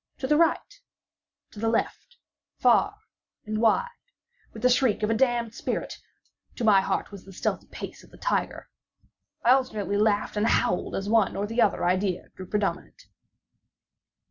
To the right—to the left—far and wide—with the shriek of a damned spirit! to my heart with the stealthy pace of the tiger! I alternately laughed and howled as the one or the other idea grew predominant.